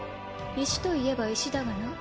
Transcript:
石といえば石だがな。